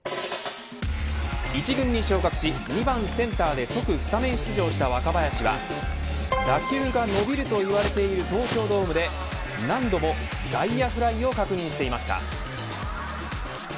１軍に昇格し、２番センターで即スタメン出場した若林は打球が伸びるといわれている東京ドームで何度も外野フライを確認していました。